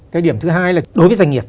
cái điểm thứ hai là đối với doanh nghiệp